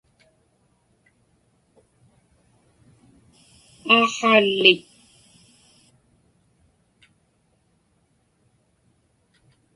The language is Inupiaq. aaqhaalit